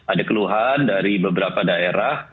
ada keluhan dari beberapa daerah